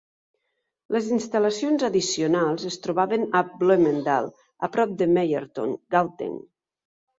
Les instal·lacions addicionals es trobaven a Bloemendal, a prop de Meyerton, Gauteng.